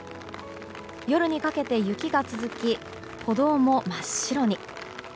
夜にかけて雪が続き歩道も真っ白に。